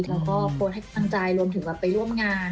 เราก็โฟนให้กำลังใจรวมถึงไปร่วมงาน